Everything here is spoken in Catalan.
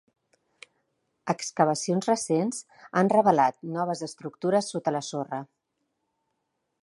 Excavacions recents han revelat noves estructures sota la sorra.